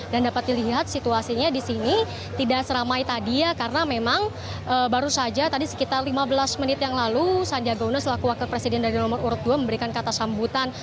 dan dapat dilihat situasinya di sini tidak seramai tadi ya karena memang baru saja tadi sekitar lima belas menit yang lalu sandiaga uno selaku wakil presiden nomor urut dua memberikan kata sambutan